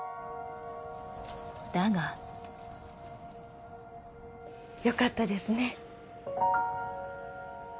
だがよかったですね。